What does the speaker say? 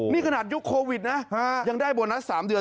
นี่ขนาดยุคโควิดนะยังได้โบนัส๓เดือน